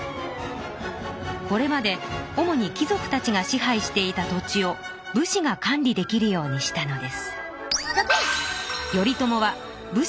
これまで主にき族たちが支配していた土地を武士が管理できるようにしたのです。